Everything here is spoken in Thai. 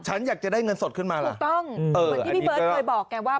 ฉันอยากจะได้เงินสดขึ้นมาล่ะถูกต้องเอออันนี้ก็เหมือนที่พี่เบิร์ทเผยบอกแกว่า